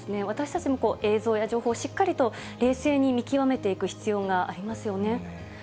私たちも映像や情報をしっかりと、冷静に見極めていく必要がありますよね。